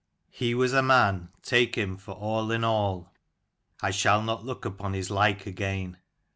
He was a man, take him for all in all, I shall not look upon his like again."